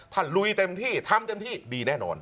ถ้าลุยเต็มที่ทำเต็มที่ดีแน่นอน